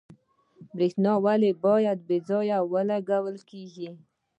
برښنا ولې باید بې ځایه ونه لګیږي؟